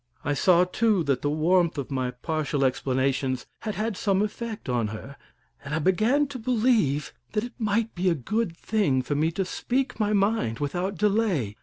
I saw, too, that the warmth of my partial explanations had had some effect on her, and I began to believe that it might be a good thing for me to speak my mind without delay.